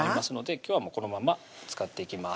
今日はこのまま使っていきます